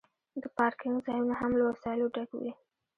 د پارکینګ ځایونه هم له وسایلو ډک وي